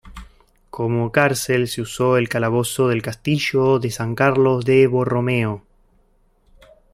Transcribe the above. Como cárcel se usó el calabozo del Castillo de San Carlos de Borromeo.